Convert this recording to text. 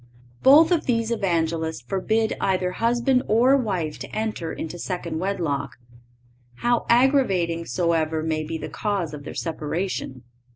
(541) Both of these Evangelists forbid either husband or wife to enter into second wedlock, how aggravating soever may be the cause of their separation.